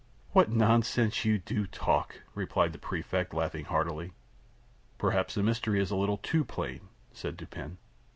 "What nonsense you do talk!" replied the Prefect, laughing heartily. "Perhaps the mystery is a little too plain," said Dupin.